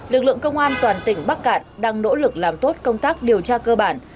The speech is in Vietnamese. lực lượng công an toàn tỉnh bắc cạn đang nỗ lực làm tốt công tác điều tra cơ bản